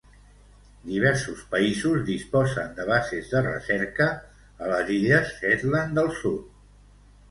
Diversos països disposen de bases de recerca a les illes Shetland del Sud.